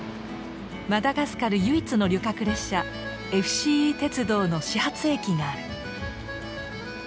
マダガスカル唯一の旅客列車ＦＣＥ鉄道の始発駅がある。